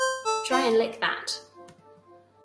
Try and lick that!